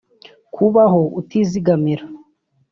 Kubaho utizigamira